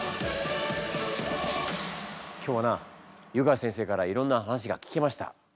今日はな湯川先生からいろんな話が聞けました。